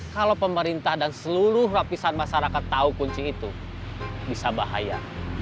kalau pemerintah dan seluruh lapisan masyarakat tahu kunci itu bisa bahaya